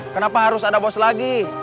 kenapa harus ada bos lagi